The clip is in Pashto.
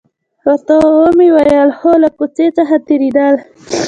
ورته ومې ویل: هو، له کوڅې څخه تېرېدل.